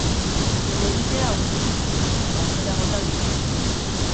Helegitea aurkeztu zuten eta atzera bota diote.